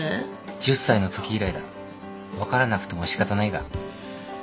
１０歳のとき以来だ分からなくても仕方ないが。